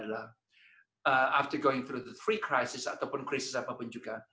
setelah melalui krisis bebas atau krisis apapun juga